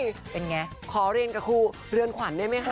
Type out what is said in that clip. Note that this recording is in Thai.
เป็นไงขอเรียนกับครูเรือนขวัญได้ไหมคะ